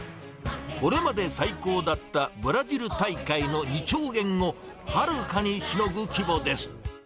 これまで最高だったブラジル大会の２兆円をはるかにしのぐ規模です。